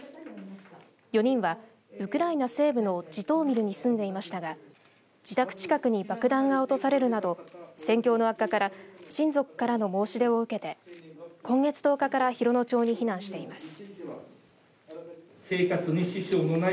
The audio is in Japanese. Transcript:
４人は、ウクライナ西部のジト−ミルに住んでいましたが自宅近くに爆弾が落とされるなど戦況の悪化から親族からの申し出を受けて今月１０日から洋野町に避難しています。